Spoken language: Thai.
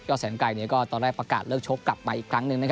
แสนไกลตอนแรกประกาศเลิกชกกลับมาอีกครั้งหนึ่ง